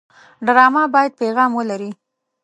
ډرامه باید پیغام ولري